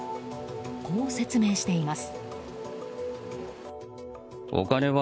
こう説明しています。